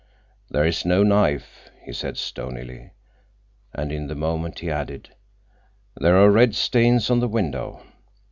"There is no knife," he said stonily. And in a moment he added: "There are red stains on the window.